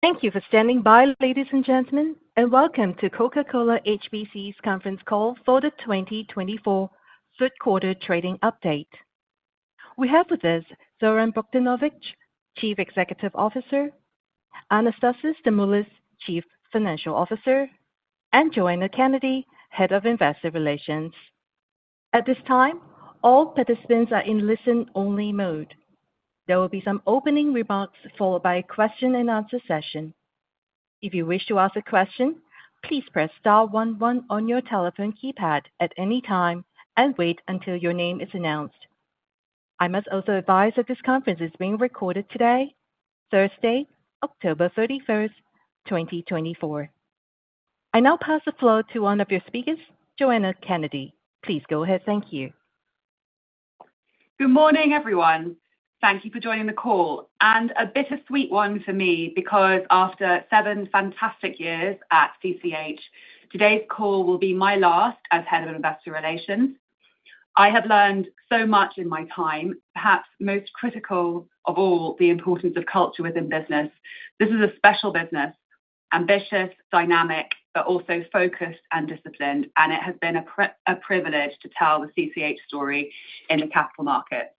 Thank you for standing by, ladies and gentlemen, and welcome to Coca-Cola HBC's conference call for the 2024 Third Quarter Trading Update. We have with us Zoran Bogdanovic, Chief Executive Officer, Anastasis Stamoulis, Chief Financial Officer, and Joanna Kennedy, Head of Investor Relations. At this time, all participants are in listen-only mode. There will be some opening remarks followed by a question-and-answer session. If you wish to ask a question, please press star 11 on your telephone keypad at any time and wait until your name is announced. I must also advise that this conference is being recorded today, Thursday, October 31st, 2024. I now pass the floor to one of your speakers, Joanna Kennedy. Please go ahead. Thank you. Good morning, everyone. Thank you for joining the call, and a bittersweet one for me because after seven fantastic years at CCH, today's call will be my last as Head of Investor Relations. I have learned so much in my time, perhaps most critical of all, the importance of culture within business. This is a special business: ambitious, dynamic, but also focused and disciplined, and it has been a privilege to tell the CCH story in the capital markets.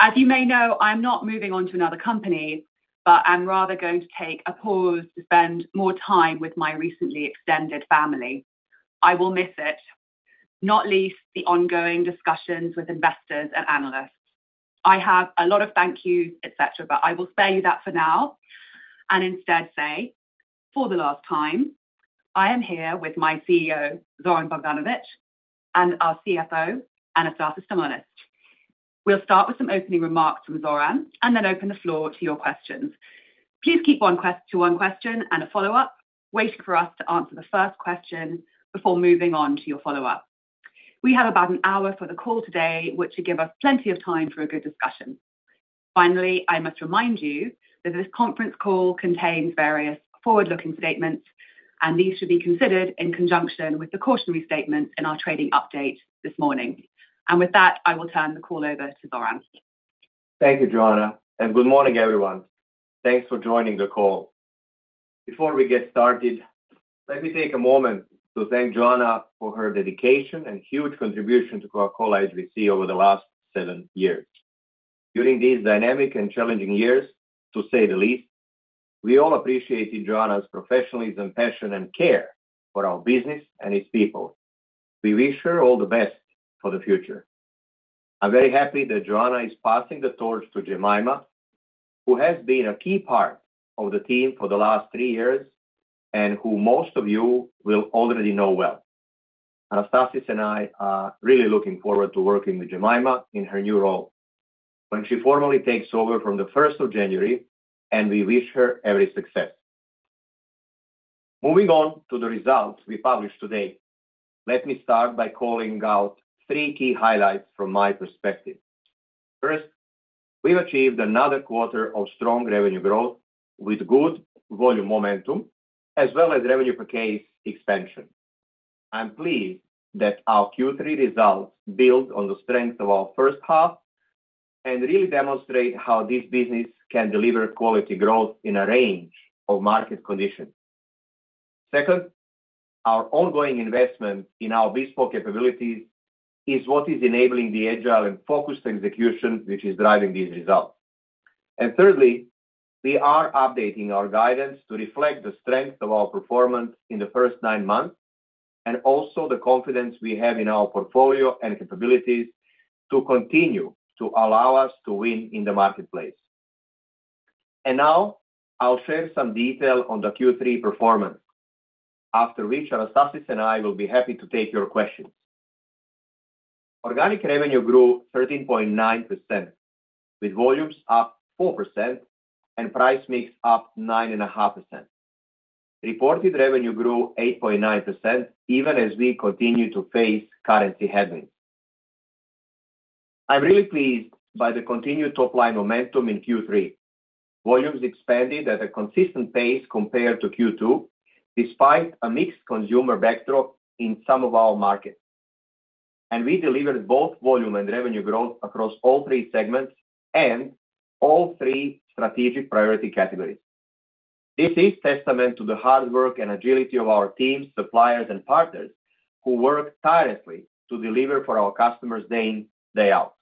As you may know, I'm not moving on to another company, but I'm rather going to take a pause to spend more time with my recently extended family. I will miss it, not least the ongoing discussions with investors and analysts. I have a lot of thank-yous, etc., but I will spare you that for now and instead say, for the last time, I am here with my CEO, Zoran Bogdanovic, and our CFO, Anastasis Stamoulis. We'll start with some opening remarks from Zoran and then open the floor to your questions. Please keep one question to one question and a follow-up, waiting for us to answer the first question before moving on to your follow-up. We have about an hour for the call today, which should give us plenty of time for a good discussion. Finally, I must remind you that this conference call contains various forward-looking statements, and these should be considered in conjunction with the cautionary statements in our trading update this morning, and with that, I will turn the call over to Zoran. Thank you, Joanna, and good morning, everyone. Thanks for joining the call. Before we get started, let me take a moment to thank Joanna for her dedication and huge contribution to Coca-Cola HBC over the last seven years. During these dynamic and challenging years, to say the least, we all appreciated Joanna's professionalism, passion, and care for our business and its people. We wish her all the best for the future. I'm very happy that Joanna is passing the torch to Jemima, who has been a key part of the team for the last three years and who most of you will already know well. Anastasis and I are really looking forward to working with Jemima in her new role when she formally takes over from the 1st of January, and we wish her every success. Moving on to the results we published today, let me start by calling out three key highlights from my perspective. First, we've achieved another quarter of strong revenue growth with good volume momentum, as well as revenue per case expansion. I'm pleased that our Q3 results build on the strength of our first half and really demonstrate how this business can deliver quality growth in a range of market conditions. Second, our ongoing investment in our bespoke capabilities is what is enabling the agile and focused execution, which is driving these results. Thirdly, we are updating our guidance to reflect the strength of our performance in the first nine months and also the confidence we have in our portfolio and capabilities to continue to allow us to win in the marketplace. And now, I'll share some detail on the Q3 performance, after which Anastasis and I will be happy to take your questions. Organic revenue grew 13.9%, with volumes up 4% and price mix up 9.5%. Reported revenue grew 8.9%, even as we continue to face currency headwinds. I'm really pleased by the continued top-line momentum in Q3. Volumes expanded at a consistent pace compared to Q2, despite a mixed consumer backdrop in some of our markets. And we delivered both volume and revenue growth across all three segments and all three strategic priority categories. This is a testament to the hard work and agility of our teams, suppliers, and partners who work tirelessly to deliver for our customers day in, day out.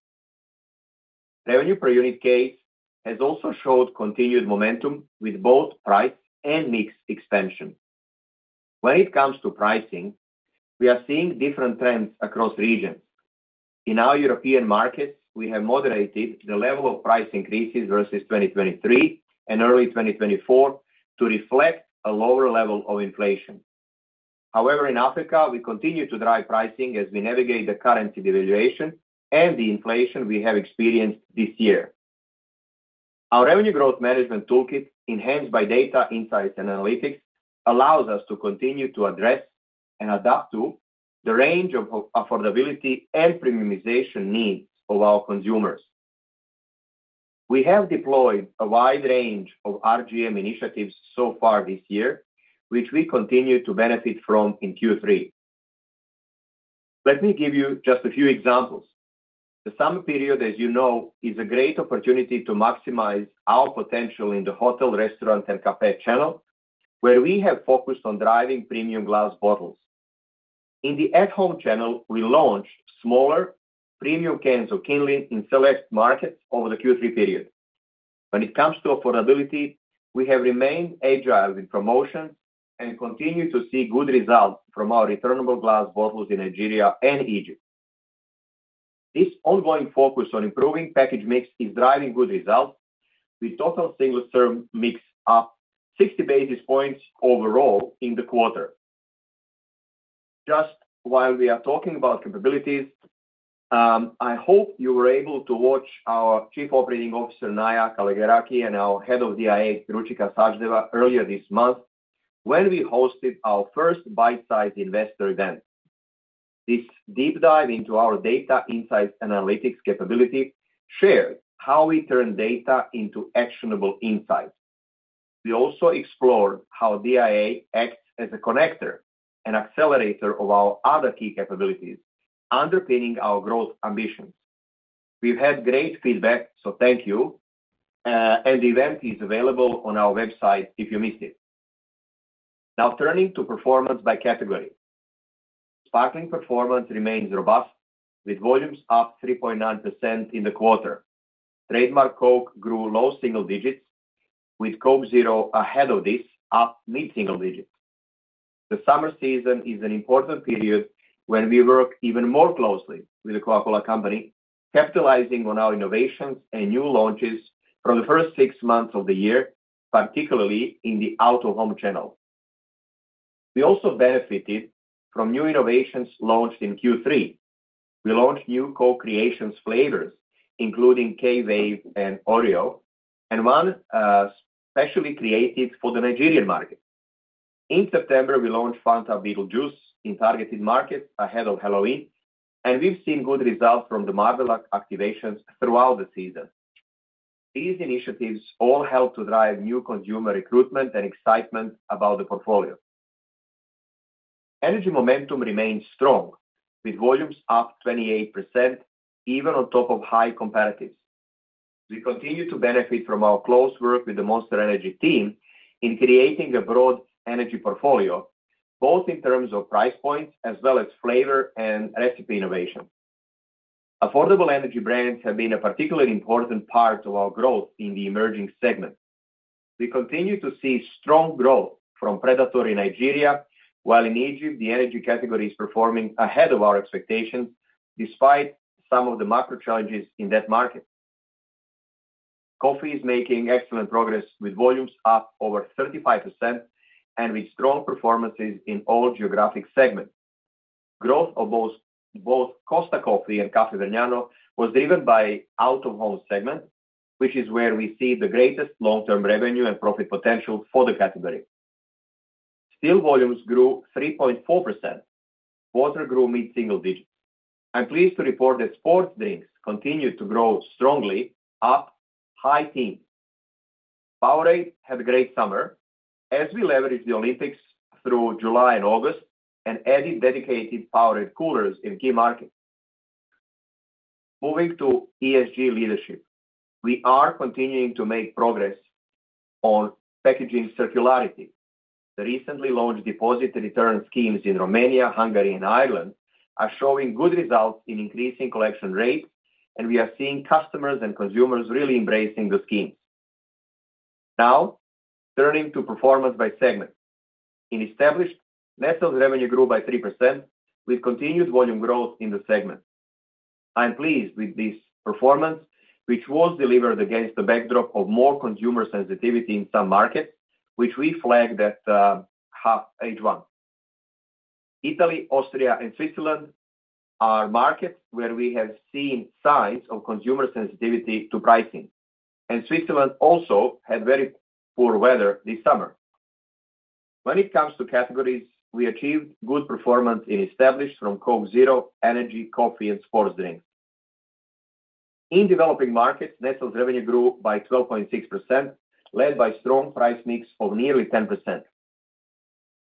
Revenue per unit case has also showed continued momentum with both price and mix expansion. When it comes to pricing, we are seeing different trends across regions. In our European markets, we have moderated the level of price increases versus 2023 and early 2024 to reflect a lower level of inflation. However, in Africa, we continue to drive pricing as we navigate the currency devaluation and the inflation we have experienced this year. Our revenue growth management toolkit, enhanced by data insights and analytics, allows us to continue to address and adapt to the range of affordability and premiumization needs of our consumers. We have deployed a wide range of RGM initiatives so far this year, which we continue to benefit from in Q3. Let me give you just a few examples. The summer period, as you know, is a great opportunity to maximize our potential in the hotel, restaurant, and café channel, where we have focused on driving premium glass bottles. In the at-home channel, we launched smaller premium cans of Kinley in select markets over the Q3 period. When it comes to affordability, we have remained agile with promotions and continue to see good results from our returnable glass bottles in Nigeria and Egypt. This ongoing focus on improving package mix is driving good results, with total single-serve mix up 60 basis points overall in the quarter. Just while we are talking about capabilities, I hope you were able to watch our Chief Operating Officer, Naya Kalogeraki, and our Head of DIA, Ruchika Sachdeva, earlier this month when we hosted our first bite-sized investor event. This deep dive into our data insights and analytics capability shared how we turn data into actionable insights. We also explored how DIA acts as a connector and accelerator of our other key capabilities, underpinning our growth ambitions. We've had great feedback, so thank you, and the event is available on our website if you missed it. Now, turning to performance by category, Sparkling performance remains robust, with volumes up 3.9% in the quarter. Trademark Coke grew low single digits, with Coke Zero ahead of this, up mid-single digits. The summer season is an important period when we work even more closely with The Coca-Cola Company, capitalizing on our innovations and new launches from the first six months of the year, particularly in the out-of-home channel. We also benefited from new innovations launched in Q3. We launched new Coke Creations flavors, including K-Wave and Oreo, and one specially created for the Nigerian market. In September, we launched Fanta Beetlejuice in targeted markets ahead of Halloween, and we've seen good results from the Marvel activations throughout the season. These initiatives all help to drive new consumer recruitment and excitement about the portfolio. energy momentum remains strong, with volumes up 28%, even on top of high competitors. We continue to benefit from our close work with the Monster Energy team in creating a broad energy portfolio, both in terms of price points as well as flavor and recipe innovations. Affordable Energy brands have been a particularly important part of our growth in the emerging segment. We continue to see strong growth from Predator in Nigeria, while in Egypt, the Energy category is performing ahead of our expectations, despite some of the macro challenges in that market. Coffee is making excellent progress, with volumes up over 35% and with strong performances in all geographic segments. Growth of both Costa Coffee and Caffè Vergnano was driven by the out-of-home segment, which is where we see the greatest long-term revenue and profit potential for the category. Stills volumes grew 3.4%. Water grew mid-single digits. I'm pleased to report that sports drinks continued to grow strongly, up high teens. Powerade had a great summer as we leveraged the Olympics through July and August and added dedicated Powerade coolers in key markets. Moving to ESG leadership, we are continuing to make progress on packaging circularity. The recently launched deposit return schemes in Romania, Hungary, and Ireland are showing good results in increasing collection rates, and we are seeing customers and consumers really embracing the schemes. Now, turning to performance by segment. In Established, net revenue grew by 3%, with continued volume growth in the segment. I'm pleased with this performance, which was delivered against the backdrop of more consumer sensitivity in some markets, which we flagged at H1. Italy, Austria, and Switzerland are markets where we have seen signs of consumer sensitivity to pricing, and Switzerland also had very poor weather this summer. When it comes to categories, we achieved good performance in established from Coke Zero, Energy, coffee, and sports drinks. In Developing markets, net sales revenue grew by 12.6%, led by a strong price mix of nearly 10%.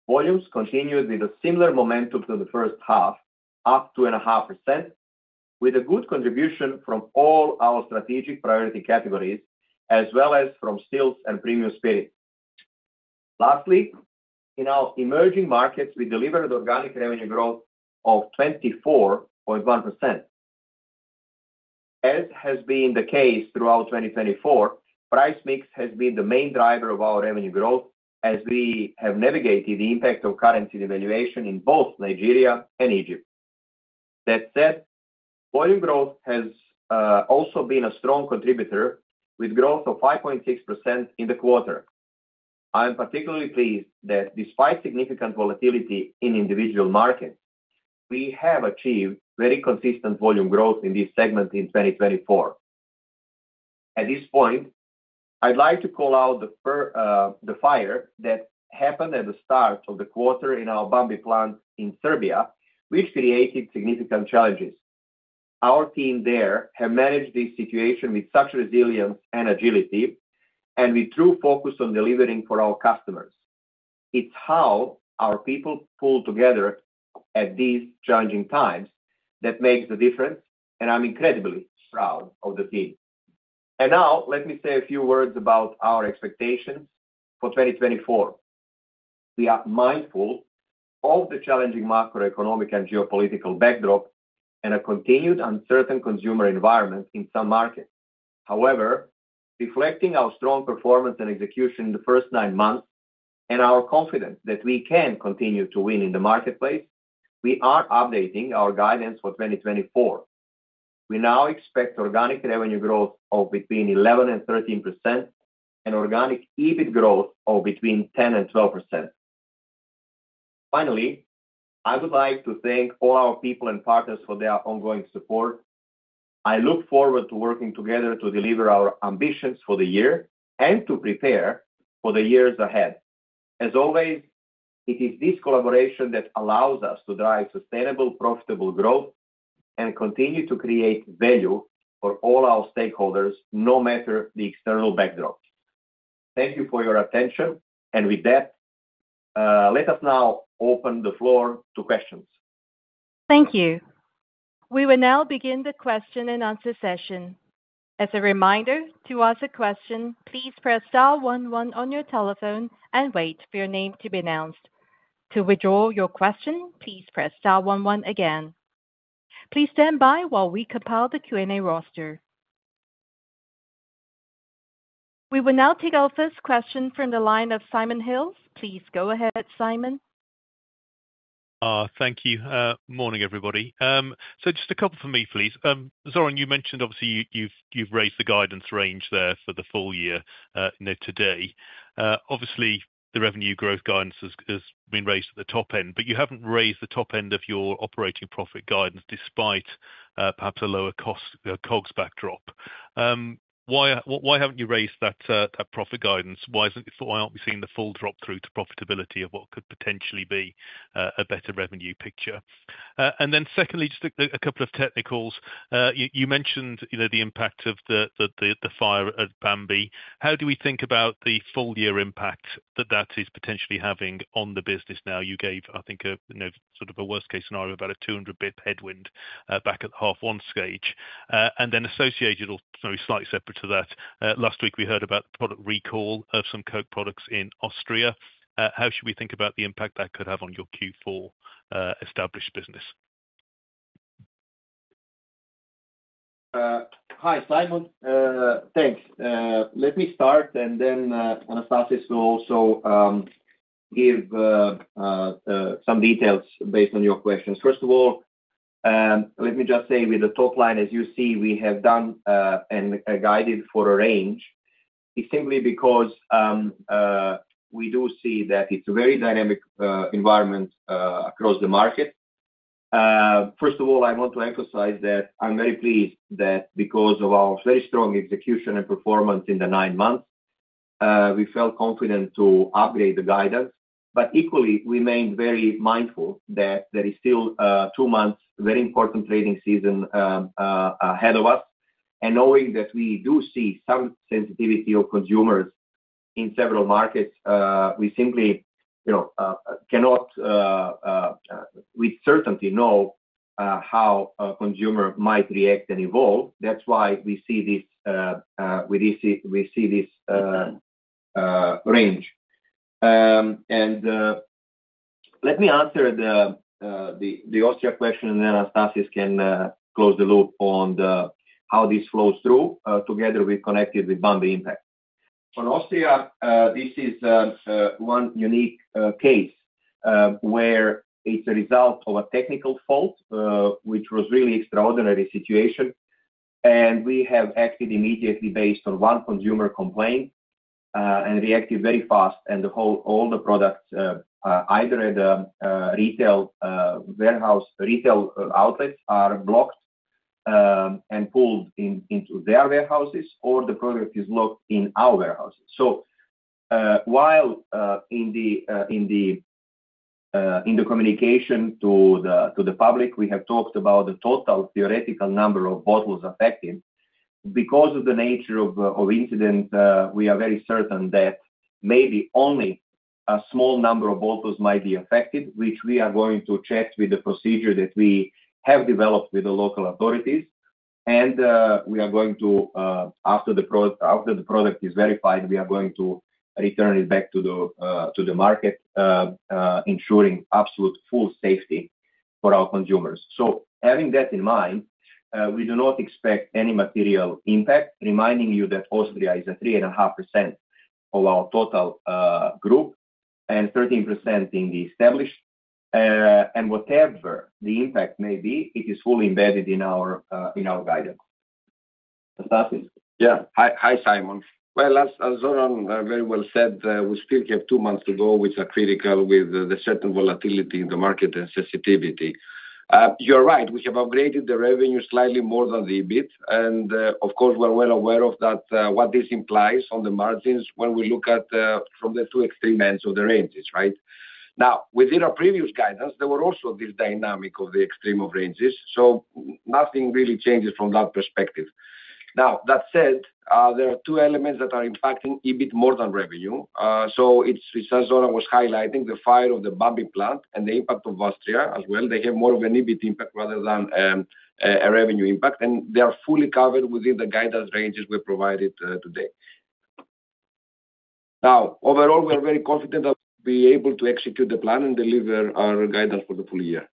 Volumes continued with a similar momentum to the first half, up 2.5%, with a good contribution from all our strategic priority categories as well as from stills and premium spirits. Lastly, in our Emerging markets, we delivered organic revenue growth of 24.1%. As has been the case throughout 2024, price mix has been the main driver of our revenue growth as we have navigated the impact of currency devaluation in both Nigeria and Egypt. That said, volume growth has also been a strong contributor, with growth of 5.6% in the quarter. I'm particularly pleased that despite significant volatility in individual markets, we have achieved very consistent volume growth in this segment in 2024. At this point, I'd like to call out the fire that happened at the start of the quarter in our Bambi plant in Serbia, which created significant challenges. Our team there has managed this situation with such resilience and agility, and with true focus on delivering for our customers. It's how our people pull together at these challenging times that makes the difference, and I'm incredibly proud of the team. And now, let me say a few words about our expectations for 2024. We are mindful of the challenging macroeconomic and geopolitical backdrop and a continued uncertain consumer environment in some markets. However, reflecting our strong performance and execution in the first nine months and our confidence that we can continue to win in the marketplace, we are updating our guidance for 2024. We now expect organic revenue growth of between 11% and 13% and organic EBIT growth of between 10% and 12%. Finally, I would like to thank all our people and partners for their ongoing support. I look forward to working together to deliver our ambitions for the year and to prepare for the years ahead. As always, it is this collaboration that allows us to drive sustainable, profitable growth and continue to create value for all our stakeholders, no matter the external backdrop. Thank you for your attention, and with that, let us now open the floor to questions. Thank you. We will now begin the question and answer session. As a reminder, to ask a question, please press star 11 on your telephone and wait for your name to be announced. To withdraw your question, please press star 11 again. Please stand by while we compile the Q&A roster. We will now take our first question from the line of Simon Hales. Please go ahead, Simon. Thank you. Morning, everybody. So just a couple for me, please. Zoran, you mentioned, obviously, you've raised the guidance range there for the full year today. Obviously, the revenue growth guidance has been raised at the top end, but you haven't raised the top end of your operating profit guidance despite perhaps a lower cost COGS backdrop. Why haven't you raised that profit guidance? Why aren't we seeing the full drop through to profitability of what could potentially be a better revenue picture? And then secondly, just a couple of technicals. You mentioned the impact of the fire at Bambi. How do we think about the full year impact that that is potentially having on the business now? You gave, I think, a sort of a worst-case scenario, about a 200 basis point headwind back at the H1 stage. And then associated, or slightly separate to that, last week we heard about the product recall of some Coke products in Austria. How should we think about the impact that could have on your Q4 established business? Hi, Simon. Thanks. Let me start, and then Anastasis will also give some details based on your questions. First of all, let me just say with the top line, as you see, we have done and guided for a range. It's simply because we do see that it's a very dynamic environment across the market. First of all, I want to emphasize that I'm very pleased that because of our very strong execution and performance in the nine months, we felt confident to upgrade the guidance. But equally, we remained very mindful that there is still two months, very important trading season ahead of us. And knowing that we do see some sensitivity of consumers in several markets, we simply cannot with certainty know how a consumer might react and evolve. That's why we see this range. And let me answer the Austria question, and then Anastasis can close the loop on how this flows through together with connected with Bambi impact. On Austria, this is one unique case where it's a result of a technical fault, which was really extraordinary situation. We have acted immediately based on one consumer complaint and reacted very fast. All the products, either at retail warehouse, retail outlets are blocked and pulled into their warehouses, or the product is locked in our warehouses. While in the communication to the public, we have talked about the total theoretical number of bottles affected, because of the nature of incident, we are very certain that maybe only a small number of bottles might be affected, which we are going to check with the procedure that we have developed with the local authorities. We are going to, after the product is verified, we are going to return it back to the market, ensuring absolute full safety for our consumers. Having that in mind, we do not expect any material impact, reminding you that Austria is at 3.5% of our total group and 13% in the established. And whatever the impact may be, it is fully embedded in our guidance. Anastasis? Yeah. Hi, Simon. Well, as Zoran very well said, we still have two months to go with the certain volatility in the market and sensitivity. You're right. We have upgraded the revenue slightly more than the EBIT. And of course, we're well aware of what this implies on the margins when we look from the two extreme ends of the ranges, right? Now, within our previous guidance, there were also this dynamic of the extremes of the ranges. So nothing really changes from that perspective. Now, that said, there are two elements that are impacting EBIT more than revenue. So it's as Zoran was highlighting, the fire of the Bambi plant and the impact of Austria as well. They have more of an EBIT impact rather than a revenue impact. And they are fully covered within the guidance ranges we provided today. Now, overall, we are very confident that we'll be able to execute the plan and deliver our guidance for the full year.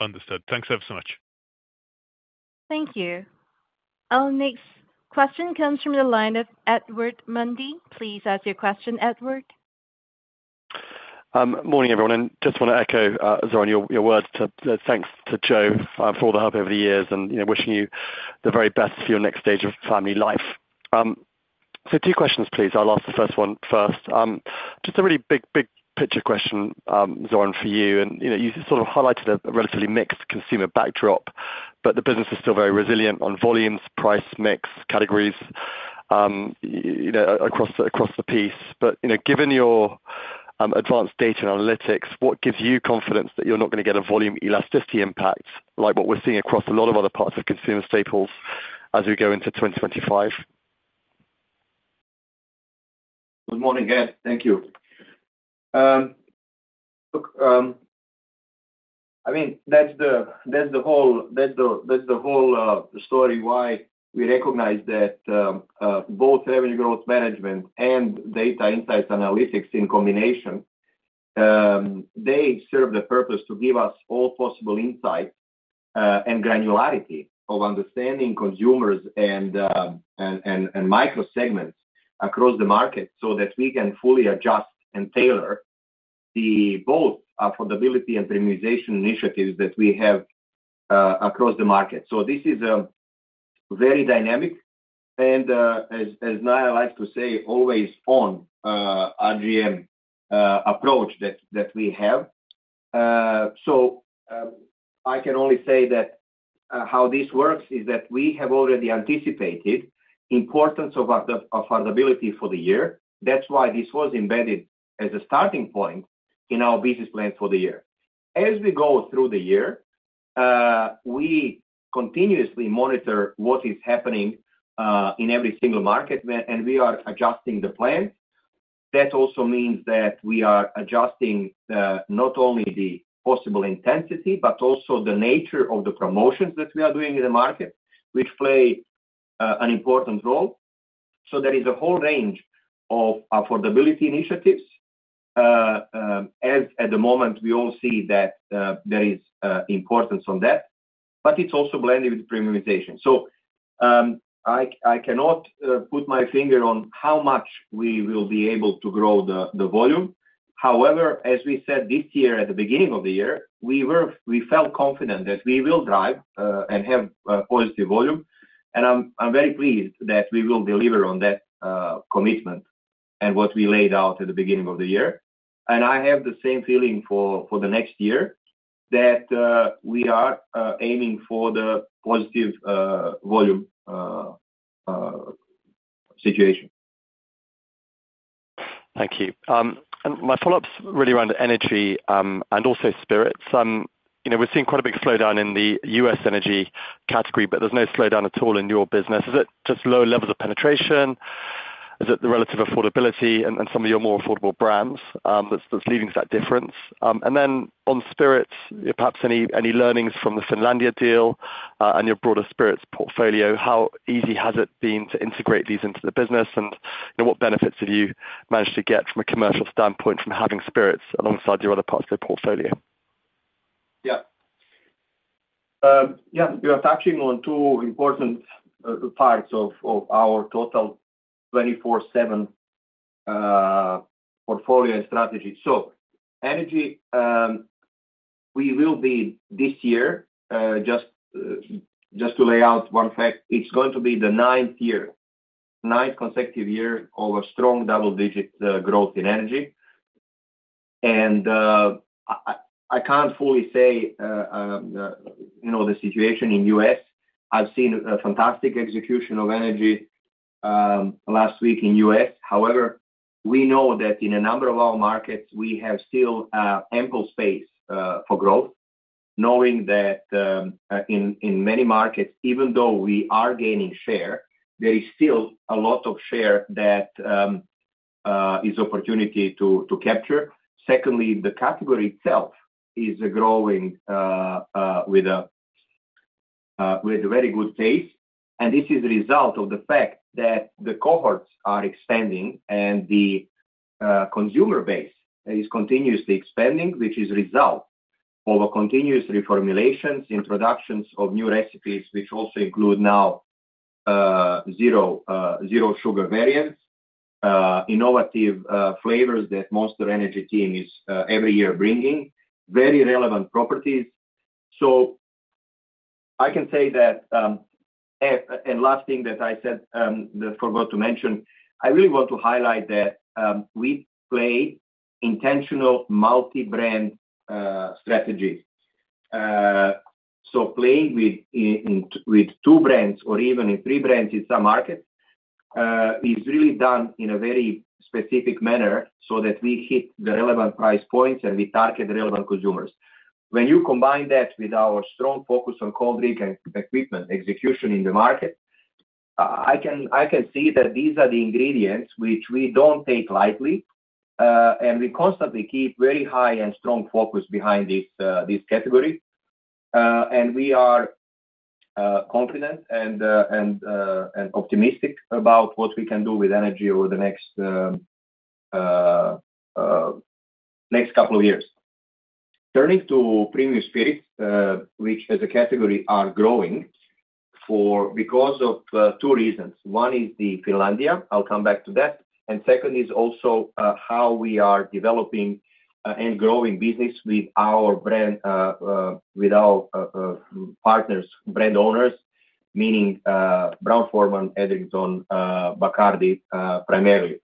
Understood. Thanks ever so much. Thank you. Our next question comes from the line of Edward Mundy. Please ask your question, Edward. Morning, everyone. And just want to echo, Zoran, your words to thanks to Jo for all the help over the years and wishing you the very best for your next stage of family life. So two questions, please. I'll ask the first one first. Just a really big picture question, Zoran, for you. And you sort of highlighted a relatively mixed consumer backdrop, but the business is still very resilient on volumes, price mix, categories across the piece. But given your advanced data and analytics, what gives you confidence that you're not going to get a volume elasticity impact like what we're seeing across a lot of other parts of consumer staples as we go into 2025? Good morning, Ed. Thank you. I mean, that's the whole story why we recognize that both revenue growth management and data insights analytics in combination, they serve the purpose to give us all possible insight and granularity of understanding consumers and microsegments across the market so that we can fully adjust and tailor both affordability and premiumization initiatives that we have across the market. So this is a very dynamic and, as Naya likes to say, always on RGM approach that we have. So I can only say that how this works is that we have already anticipated the importance of affordability for the year. That's why this was embedded as a starting point in our business plan for the year. As we go through the year, we continuously monitor what is happening in every single market, and we are adjusting the plan. That also means that we are adjusting not only the possible intensity, but also the nature of the promotions that we are doing in the market, which play an important role. So there is a whole range of affordability initiatives. As at the moment, we all see that there is importance on that, but it's also blended with premiumization. So I cannot put my finger on how much we will be able to grow the volume. However, as we said this year at the beginning of the year, we felt confident that we will drive and have positive volume, and I'm very pleased that we will deliver on that commitment and what we laid out at the beginning of the year, and I have the same feeling for the next year that we are aiming for the positive volume situation. Thank you, and my follow-ups really around energy and also spirits. We've seen quite a big slowdown in the U.S. Energy category, but there's no slowdown at all in your business. Is it just low levels of penetration? Is it the relative affordability and some of your more affordable brands that's leaving that difference? And then on spirits, perhaps any learnings from the Finlandia deal and your broader spirits portfolio? How easy has it been to integrate these into the business? What benefits have you managed to get from a commercial standpoint from having spirits alongside your other parts of the portfolio? Yeah. Yeah. We are touching on two important parts of our total 24/7 portfolio and strategy. So Energy, we will be this year, just to lay out one fact, it's going to be the ninth year, ninth consecutive year of a strong double-digit growth in energy. And I can't fully say the situation in the U.S. I've seen a fantastic execution of energy last week in the U.S. However, we know that in a number of our markets, we have still ample space for growth, knowing that in many markets, even though we are gaining share, there is still a lot of share that is opportunity to capture. Secondly, the category itself is growing with a very good pace. This is a result of the fact that the cohorts are expanding and the consumer base is continuously expanding, which is a result of continuous reformulations, introductions of new recipes, which also include now zero sugar variants, innovative flavors that Monster Energy team is every year bringing, very relevant properties. So I can say that, and last thing that I said that I forgot to mention, I really want to highlight that we play intentional multi-brand strategy. So playing with two brands or even three brands in some markets is really done in a very specific manner so that we hit the relevant price points and we target relevant consumers. When you combine that with our strong focus on cold drink and equipment execution in the market, I can see that these are the ingredients which we don't take lightly. We constantly keep very high and strong focus behind this category. We are confident and optimistic about what we can do with energy over the next couple of years. Turning to premium spirits, which as a category are growing because of two reasons. One is the Finlandia. I'll come back to that. Second is also how we are developing and growing business with our partners, brand owners, meaning Brown-Forman, Edrington, Bacardi primarily.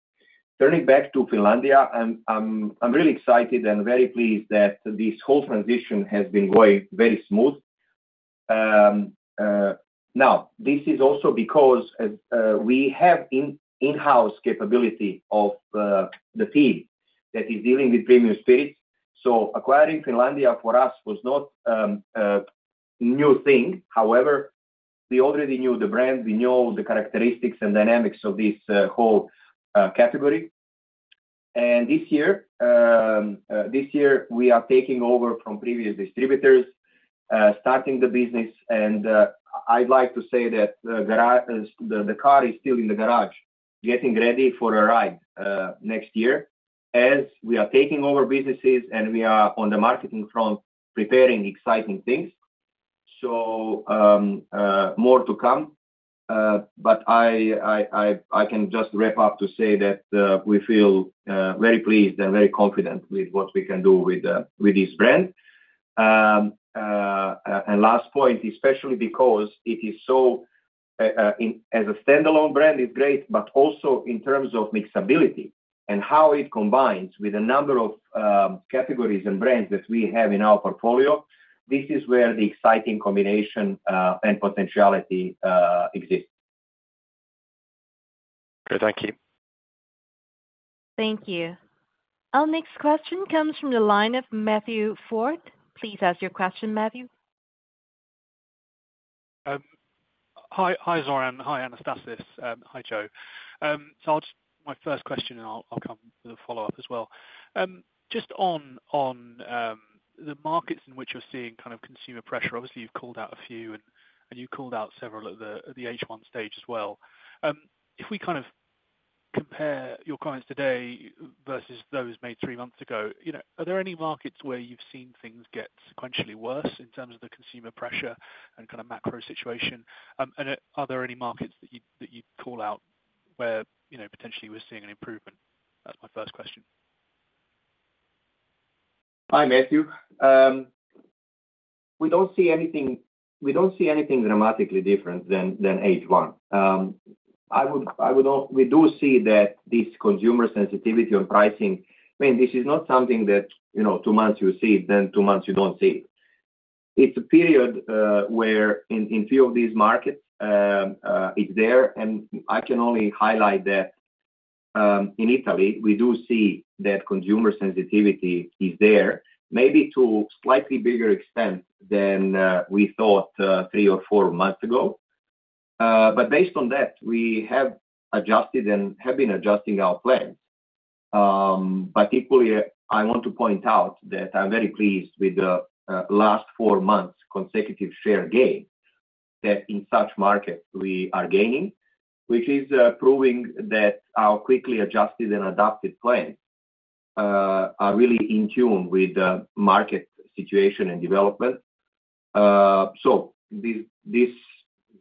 Turning back to Finlandia, I'm really excited and very pleased that this whole transition has been going very smooth. Now, this is also because we have in-house capability of the team that is dealing with premium spirits. So acquiring Finlandia for us was not a new thing. However, we already knew the brand. We know the characteristics and dynamics of this whole category. This year, we are taking over from previous distributors, starting the business. I'd like to say that the car is still in the garage, getting ready for a ride next year as we are taking over businesses and we are on the marketing front preparing exciting things. More to come. I can just wrap up to say that we feel very pleased and very confident with what we can do with this brand. Last point, especially because it is so, as a standalone brand, it's great, but also in terms of mixability and how it combines with a number of categories and brands that we have in our portfolio, this is where the exciting combination and potentiality exists. Thank you. Thank you. Our next question comes from the line of Matthew Ford. Please ask your question, Matthew. Hi, Zoran. Hi, Anastasis. Hi, Jo. My first question, and I'll come with a follow-up as well. Just on the markets in which you're seeing kind of consumer pressure, obviously, you've called out a few, and you called out several at the H1 stage as well. If we kind of compare your guidance today versus that made three months ago, are there any markets where you've seen things get sequentially worse in terms of the consumer pressure and kind of macro situation? And are there any markets that you'd call out where potentially we're seeing an improvement? That's my first question. Hi, Matthew. We don't see anything dramatically different than H1. We do see that this consumer sensitivity on pricing, I mean, this is not something that two months you see, then two months you don't see. It's a period where in a few of these markets, it's there. I can only highlight that in Italy, we do see that consumer sensitivity is there, maybe to a slightly bigger extent than we thought three or four months ago. But based on that, we have adjusted and have been adjusting our plans. But equally, I want to point out that I'm very pleased with the last four months' consecutive share gain that in such markets we are gaining, which is proving that our quickly adjusted and adapted plans are really in tune with the market situation and development. So this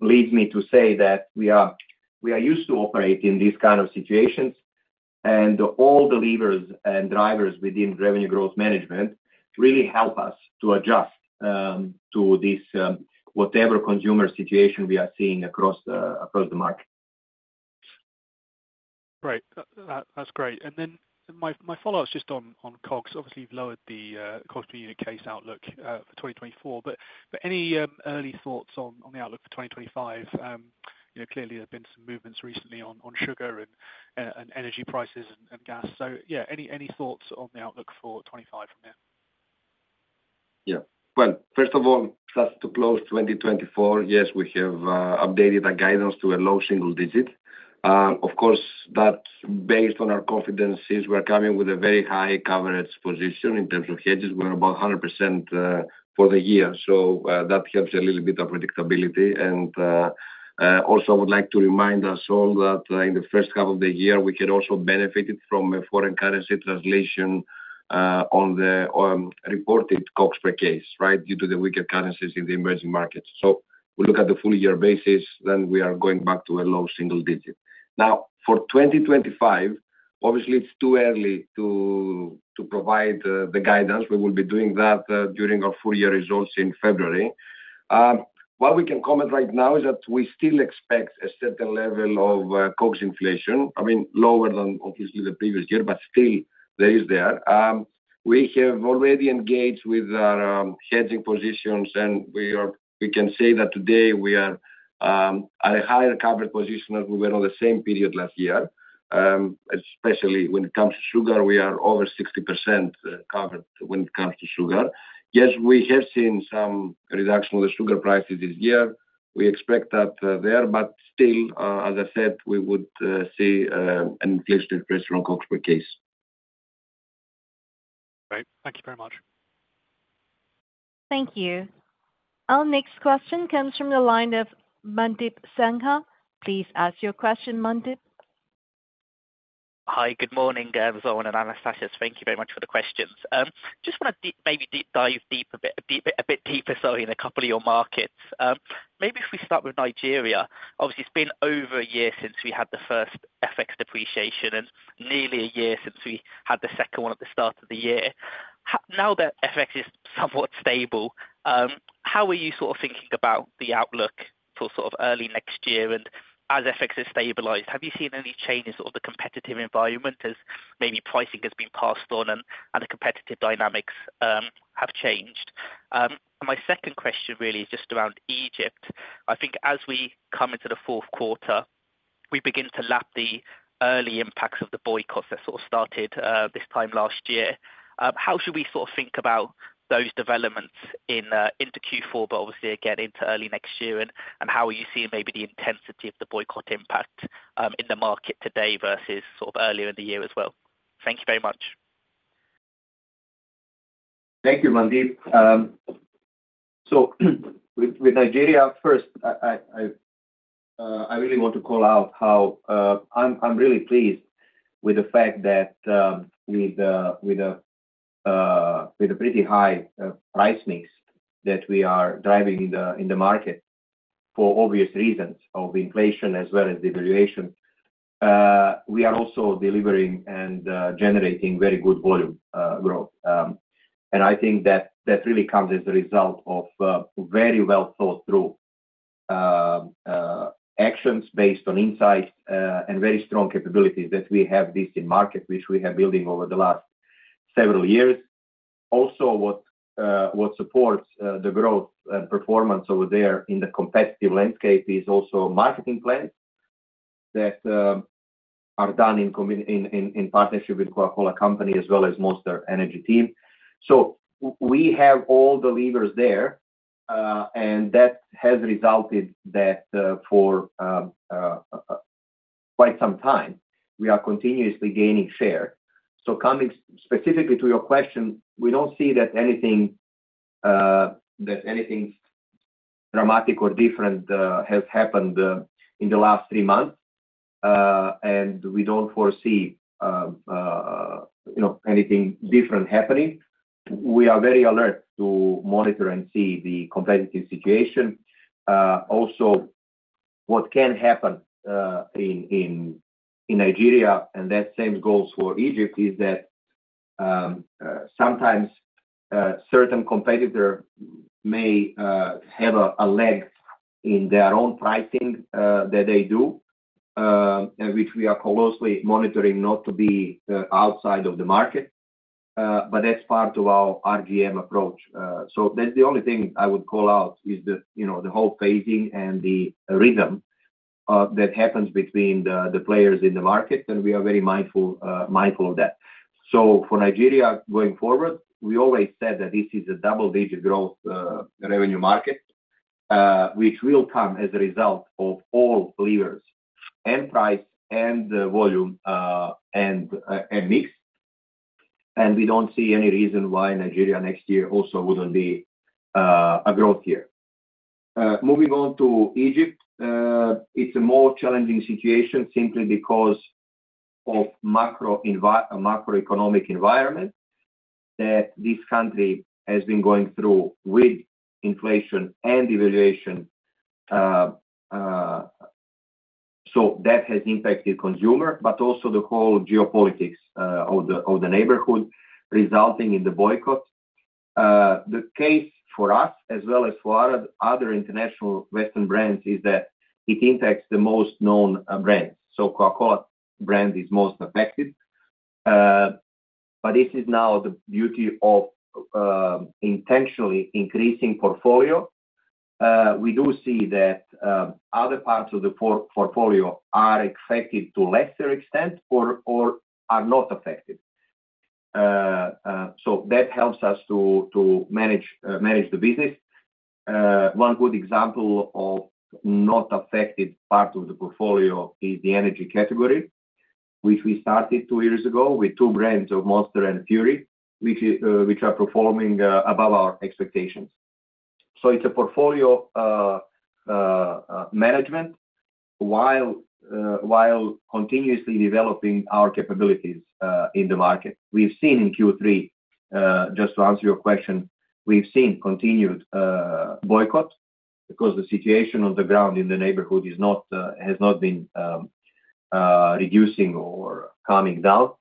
leads me to say that we are used to operating in these kinds of situations. And all the levers and drivers within revenue growth management really help us to adjust to this whatever consumer situation we are seeing across the market. Great. That's great. And then my follow-up is just on COGS. Obviously, you've lowered the cost per unit case outlook for 2024. But any early thoughts on the outlook for 2025? Clearly, there have been some movements recently on sugar and energy prices and gas. So yeah, any thoughts on the outlook for 2025 from there? Yeah. Well, first of all, just to close 2024, yes, we have updated our guidance to a low single digit. Of course, that's based on our confidence since we're coming with a very high coverage position in terms of hedges. We're about 100% for the year. So that helps a little bit our predictability. And also, I would like to remind us all that in the first half of the year, we can also benefit from a foreign currency translation on the reported COGS per case, right, due to the weaker currencies in the Emerging markets. So, we look at the full-year basis, then we are going back to a low single digit. Now, for 2025, obviously, it's too early to provide the guidance. We will be doing that during our full-year results in February. What we can comment right now is that we still expect a certain level of COGS inflation, I mean, lower than obviously the previous year, but still, there is. We have already engaged with our hedging positions, and we can say that today we are at a higher covered position as we were on the same period last year, especially when it comes to sugar. We are over 60% covered when it comes to sugar. Yes, we have seen some reduction of the sugar prices this year. We expect that there. But still, as I said, we would see an inflationary pressure on COGS per case. Great. Thank you very much. Thank you. Our next question comes from the line of Mandeep Sangha. Please ask your question, Mandeep. Hi, good morning, Zoran and Anastasis. Thank you very much for the questions. Just want to maybe dive a bit deeper, sorry, in a couple of your markets. Maybe if we start with Nigeria. Obviously, it's been over a year since we had the first FX depreciation and nearly a year since we had the second one at the start of the year. Now that FX is somewhat stable, how are you sort of thinking about the outlook for sort of early next year? And as FX has stabilized, have you seen any changes of the competitive environment as maybe pricing has been passed on and the competitive dynamics have changed? My second question really is just around Egypt. I think as we come into the fourth quarter, we begin to lap the early impacts of the boycotts that sort of started this time last year. How should we sort of think about those developments into Q4, but obviously, again, into early next year? And how are you seeing maybe the intensity of the boycott impact in the market today versus sort of earlier in the year as well? Thank you very much. Thank you, Mandeep. So with Nigeria first, I really want to call out how I'm really pleased with the fact that with a pretty high price mix that we are driving in the market for obvious reasons of inflation as well as devaluation, we are also delivering and generating very good volume growth. I think that that really comes as a result of very well-thought-through actions based on insights and very strong capabilities that we have in this market, which we have been building over the last several years. Also, what supports the growth and performance over there in the competitive landscape is also marketing plans that are done in partnership with Coca-Cola Company as well as Monster energy team. So we have all the levers there, and that has resulted that for quite some time, we are continuously gaining share. So coming specifically to your question, we don't see that anything dramatic or different has happened in the last three months, and we don't foresee anything different happening. We are very alert to monitor and see the competitive situation. Also, what can happen in Nigeria and the same goes for Egypt is that sometimes certain competitors may have a leg in their own pricing that they do, which we are closely monitoring not to be outside of the market. But that's part of our RGM approach. So that's the only thing I would call out is the whole phasing and the rhythm that happens between the players in the market, and we are very mindful of that. So for Nigeria going forward, we always said that this is a double-digit growth revenue market, which will come as a result of all levers and price and volume and mix. And we don't see any reason why Nigeria next year also wouldn't be a growth year. Moving on to Egypt, it's a more challenging situation simply because of the macroeconomic environment that this country has been going through with inflation and devaluation. So that has impacted consumers, but also the whole geopolitics of the neighborhood resulting in the boycott. The case for us, as well as for other international Western brands, is that it impacts the most known brands. So Coca-Cola brand is most affected. But this is now the beauty of intentionally increasing portfolio. We do see that other parts of the portfolio are affected to a lesser extent or are not affected. So that helps us to manage the business. One good example of not affected part of the portfolio is the energy category, which we started two years ago with two brands of Monster and Fury, which are performing above our expectations. It's a portfolio management while continuously developing our capabilities in the market. We've seen in Q3, just to answer your question, continued boycott because the situation on the ground in the neighborhood has not been reducing or coming down.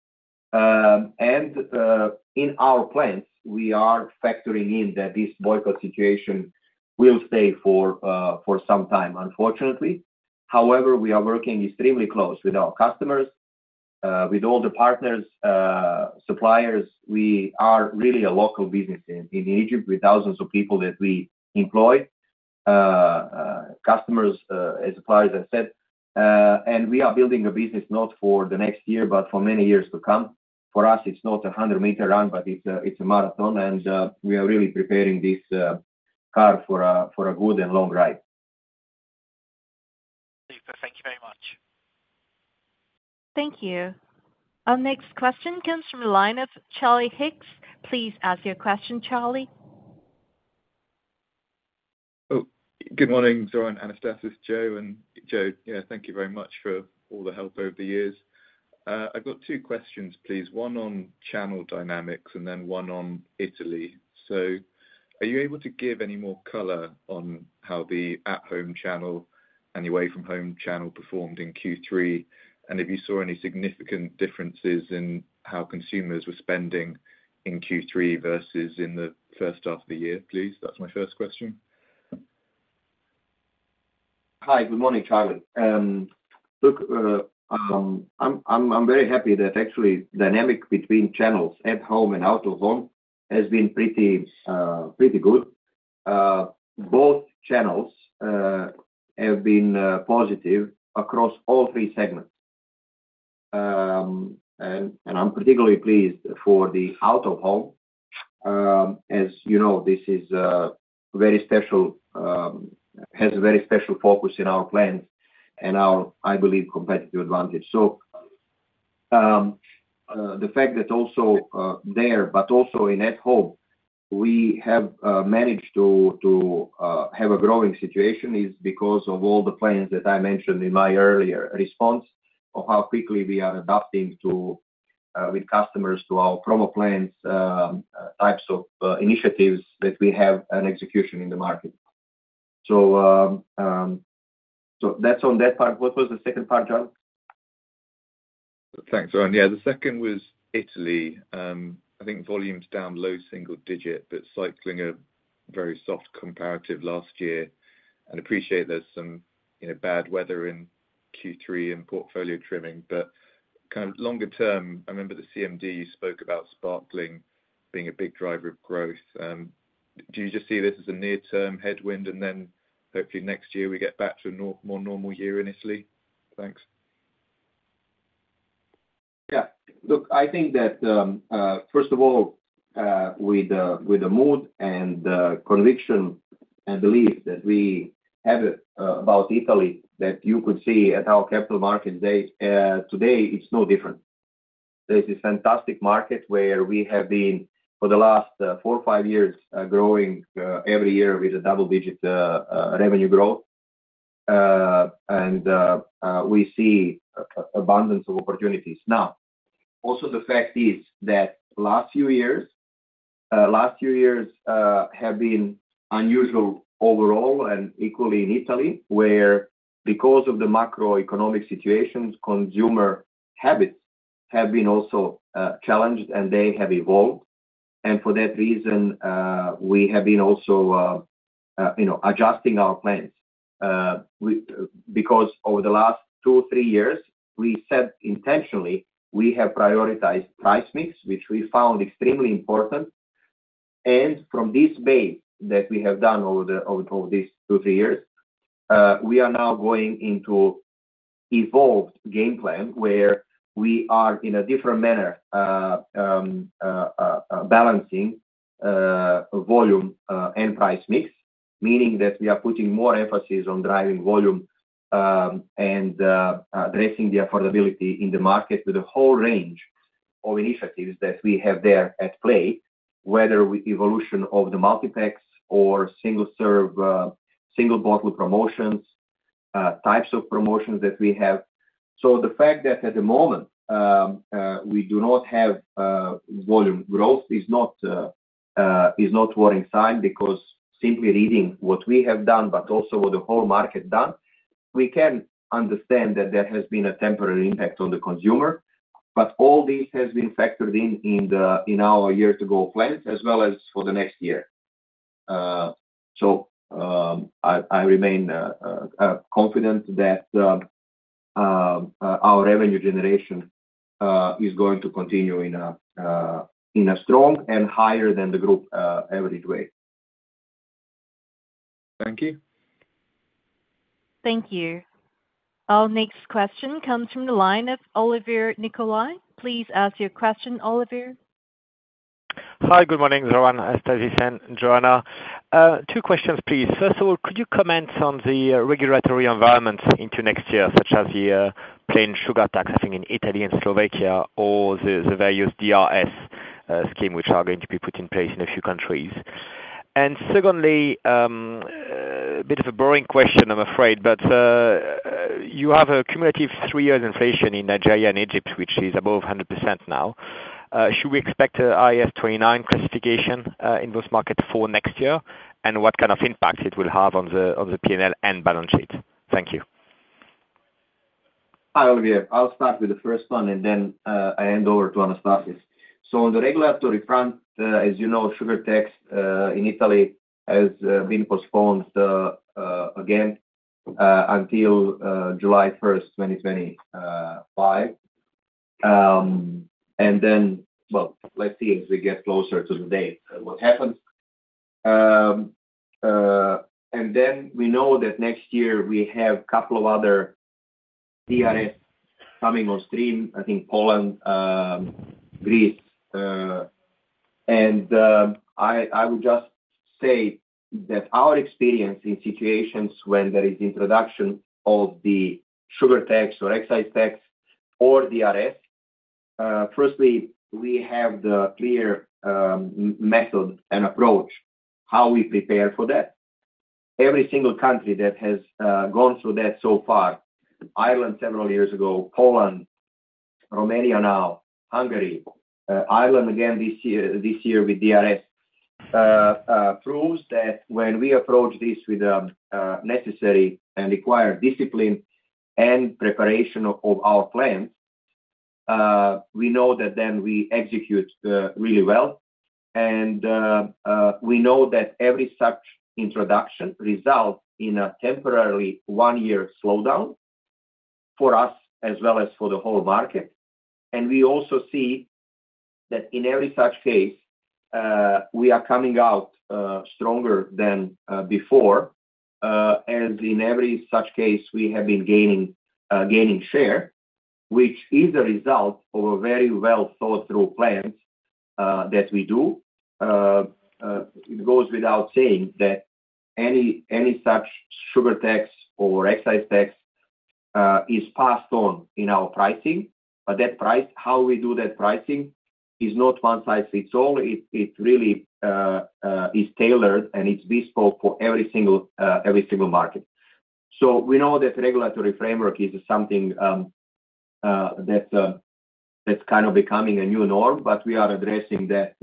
In our plans, we are factoring in that this boycott situation will stay for some time, unfortunately. However, we are working extremely close with our customers, with all the partners, suppliers. We are really a local business in Egypt with thousands of people that we employ, customers and suppliers, as I said. We are building a business not for the next year, but for many years to come. For us, it's not a 100-meter run, but it's a marathon. We are really preparing this car for a good and long ride. Thank you very much. Thank you. Our next question comes from the line of Charlie Hicks. Please ask your question, Charlie. Good morning, Zoran, Anastasis, Jo. And Jo, yeah, thank you very much for all the help over the years. I've got two questions, please. One on channel dynamics and then one on Italy. So are you able to give any more color on how the at-home channel and the away-from-home channel performed in Q3? And if you saw any significant differences in how consumers were spending in Q3 versus in the first half of the year, please? That's my first question. Hi, good morning, Charlie. Look, I'm very happy that actually the dynamic between channels at home and out of home has been pretty good. Both channels have been positive across all three segments. And I'm particularly pleased for the out-of-home. As you know, this is very special, has a very special focus in our plans and our, I believe, competitive advantage. So the fact that also there, but also in at-home, we have managed to have a growing situation is because of all the plans that I mentioned in my earlier response of how quickly we are adapting with customers to our promo plans, types of initiatives that we have and execution in the market. So that's on that part. What was the second part, John? Thanks, Zoran. Yeah, the second was Italy. I think volume's down low single digit, but cycling a very soft comparative last year, and I appreciate there's some bad weather in Q3 and portfolio trimming. Kind of longer term, I remember the CMD you spoke about Sparkling being a big driver of growth. Do you just see this as a near-term headwind and then hopefully next year we get back to a more normal year in Italy? Thanks. Yeah. Look, I think that first of all, with the mood and the conviction and belief that we have about Italy that you could see at our Capital Markets Day, it's no different. This is a fantastic market where we have been for the last four, five years growing every year with a double-digit revenue growth. And we see abundance of opportunities. Now, also the fact is that last few years have been unusual overall and equally in Italy where because of the macroeconomic situations, consumer habits have been also challenged and they have evolved. For that reason, we have been also adjusting our plans because over the last two, three years, we said intentionally we have prioritized price mix, which we found extremely important. From this base that we have done over these two, three years, we are now going into an evolved game plan where we are in a different manner balancing volume and price mix, meaning that we are putting more emphasis on driving volume and addressing the affordability in the market with a whole range of initiatives that we have there at play, whether evolution of the multipack or single-serve, single-bottle promotions, types of promotions that we have. So the fact that at the moment we do not have volume growth is not a warning sign because simply reading what we have done, but also what the whole market has done, we can understand that there has been a temporary impact on the consumer. But all this has been factored in in our year-to-go plans as well as for the next year. So I remain confident that our revenue generation is going to continue in a strong and higher than the group average rate. Thank you. Thank you. Our next question comes from the line of Olivier Nicolai. Please ask your question, Olivier. Hi, good morning, Zoran, Anastasis, and Joanna. Two questions, please. First of all, could you comment on the regulatory environment into next year, such as the planned sugar tax, I think, in Italy and Slovakia or the various DRS schemes, which are going to be put in place in a few countries? And secondly, a bit of a boring question, I'm afraid, but you have a cumulative three-year inflation in Nigeria and Egypt, which is above 100% now. Should we expect an IAS 29 classification in those markets for next year and what kind of impact it will have on the P&L and balance sheet? Thank you. Hi, Olivier. I'll start with the first one and then I'll hand over to Anastasis. So on the regulatory front, as you know, sugar tax in Italy has been postponed again until July 1st, 2025. And then, well, let's see as we get closer to the date what happens. And then we know that next year we have a couple of other DRS coming on stream, I think Poland, Greece. And I would just say that our experience in situations when there is introduction of the sugar tax or excise tax or DRS, firstly, we have the clear method and approach how we prepare for that. Every single country that has gone through that so far, Ireland several years ago, Poland, Romania now, Hungary, Ireland again this year with DRS, proves that when we approach this with the necessary and required discipline and preparation of our plans, we know that then we execute really well. And we know that every such introduction results in a temporary one-year slowdown for us as well as for the whole market. And we also see that in every such case, we are coming out stronger than before. As in every such case, we have been gaining share, which is a result of a very well-thought-through plan that we do. It goes without saying that any such sugar tax or excise tax is passed on in our pricing. But that price, how we do that pricing is not one-size-fits-all. It really is tailored and it's bespoke for every single market. So we know that regulatory framework is something that's kind of becoming a new norm, but we are addressing that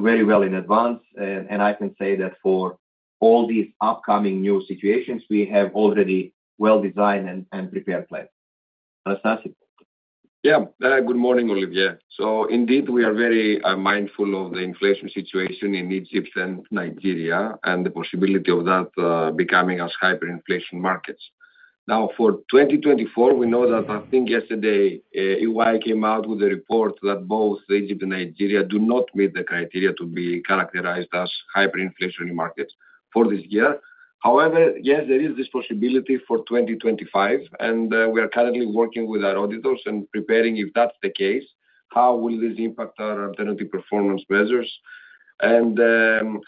very well in advance. And I can say that for all these upcoming new situations, we have already well-designed and prepared plans. Anastasis. Yeah. Good morning, Olivier. So indeed, we are very mindful of the inflation situation in Egypt and Nigeria and the possibility of that becoming us hyperinflation markets. Now, for 2024, we know that I think yesterday EY came out with a report that both Egypt and Nigeria do not meet the criteria to be characterized as hyperinflationary markets for this year. However, yes, there is this possibility for 2025, and we are currently working with our auditors and preparing if that's the case, how will this impact our alternative performance measures and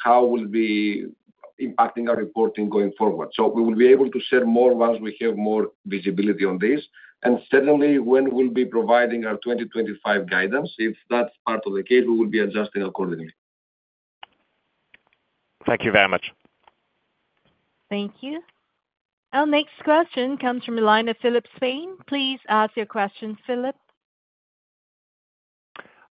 how will it be impacting our reporting going forward? So we will be able to share more once we have more visibility on this, and certainly, when we'll be providing our 2025 guidance, if that's part of the case, we will be adjusting accordingly. Thank you very much. Thank you. Our next question comes from the line of Filippo Ucchino. Please ask your question, Philip.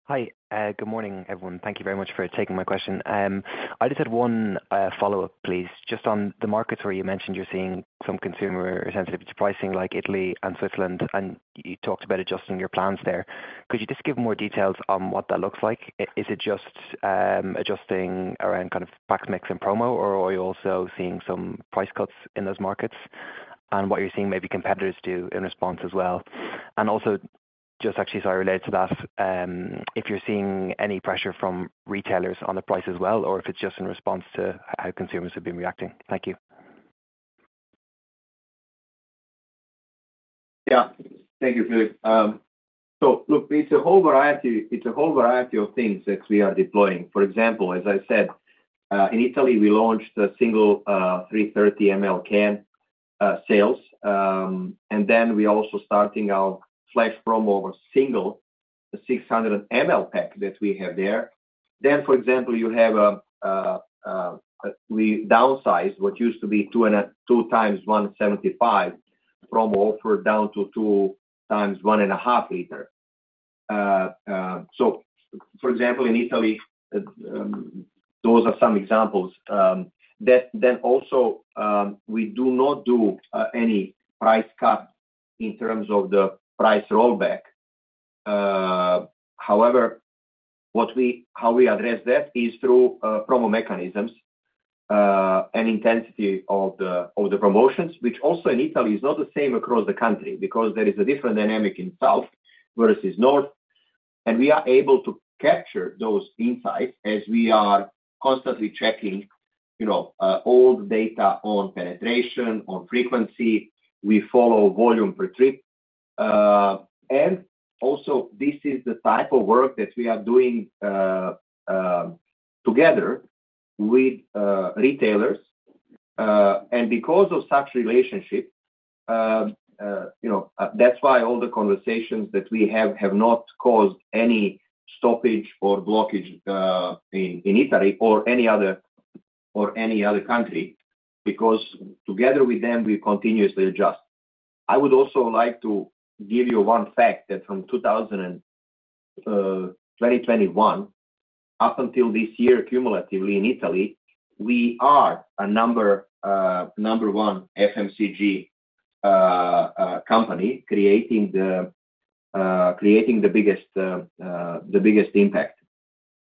Hi. Good morning, everyone. Thank you very much for taking my question. I just had one follow-up, please. Just on the markets where you mentioned you're seeing some consumer sensitivity pricing like Italy and Switzerland, and you talked about adjusting your plans there. Could you just give more details on what that looks like? Is it just adjusting around kind of packs mix and promo, or are you also seeing some price cuts in those markets and what you're seeing maybe competitors do in response as well? And also just actually, sorry, related to that, if you're seeing any pressure from retailers on the price as well, or if it's just in response to how consumers have been reacting? Thank you. Yeah. Thank you, Philip. So look, it's a whole variety of things that we are deploying. For example, as I said, in Italy, we launched a single 330 ml can sales. And then we are also starting our flash promo of a single 600 ml pack that we have there. Then, for example, you have. We downsized what used to be two times 1.75 promo offer down to two times one and a half liter. So for example, in Italy, those are some examples. Then also, we do not do any price cut in terms of the price rollback. However, how we address that is through promo mechanisms and intensity of the promotions, which also in Italy is not the same across the country because there is a different dynamic in south versus north. And we are able to capture those insights as we are constantly checking all the data on penetration, on frequency. We follow volume per trip. And also, this is the type of work that we are doing together with retailers. Because of such relationship, that's why all the conversations that we have have not caused any stoppage or blockage in Italy or any other country because together with them, we continuously adjust. I would also like to give you one fact that from 2021 up until this year, cumulatively in Italy, we are a number one FMCG company creating the biggest impact.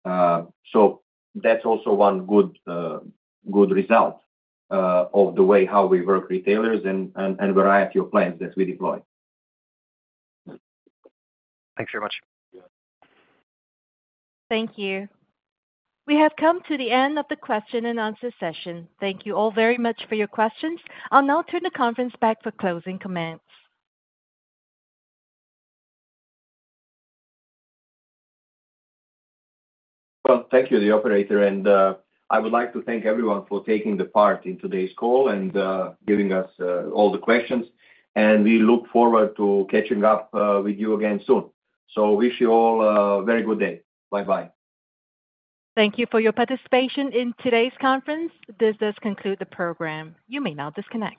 So that's also one good result of the way how we work with retailers and variety of plans that we deploy. Thanks very much. Thank you. We have come to the end of the question and answer session. Thank you all very much for your questions. I'll now turn the conference back for closing comments. Thank you, the operator. And I would like to thank everyone for taking part in today's call and giving us all the questions. And we look forward to catching up with you again soon. So wish you all a very good day. Bye-bye. Thank you for your participation in today's conference. This does conclude the program. You may now disconnect.